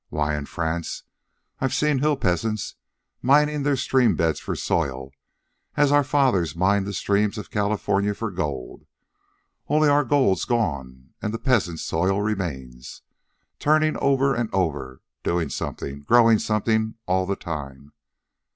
Why, in France, I've seen hill peasants mining their stream beds for soil as our fathers mined the streams of California for gold. Only our gold's gone, and the peasants' soil remains, turning over and over, doing something, growing something, all the time.